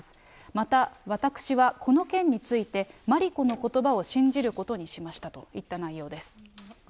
また私はこの件について、麻里子のことばを信じることにしましたといった内容です。